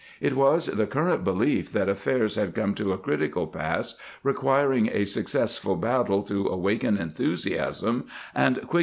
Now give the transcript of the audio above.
* It was the current belief that affairs had come to a critical pass, requiring a suc cessful battle to awaken enthusiasm and quicken 'W.